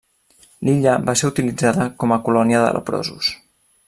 L'illa va ser utilitzada com a colònia de leprosos.